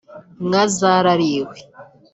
inka zarariwe